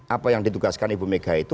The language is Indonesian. apa yang ditugaskan ibu mega itu